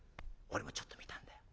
俺もちょっと見たんだよ。